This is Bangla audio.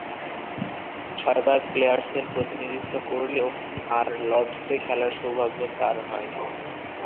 ছয়বার প্লেয়ার্সের প্রতিনিধিত্ব করলেও আর লর্ডসে খেলার সৌভাগ্য হয়নি তার।